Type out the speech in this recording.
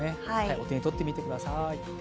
お手にとってみてください。